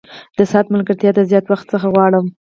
د ساعت ملګرتیا د زیات وخت څخه لرم.